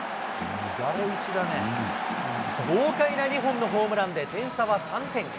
豪快な２本のホームランで、点差は３点。